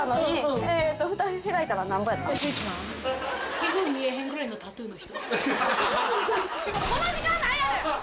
皮膚見えへんぐらいのタトゥーの人。